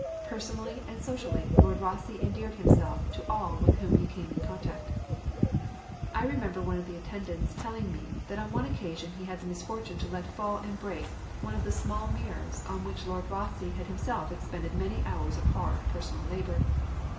Personally and socially Lord Rosse endeared himself to all with whom he came in contact. I remember one of the attendants telling me that on one occasion he had the misfortune to let fall and break one of the small mirrors on which Lord Rosse had himself expended many hours of hard personal labour.